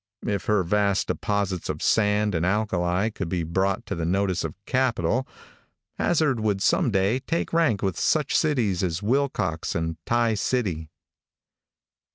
If her vast deposits of sand and alkali could be brought to the notice of capital, Hazzard would some day take rank with such cities as Wilcox and Tie City.